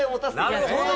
なるほど！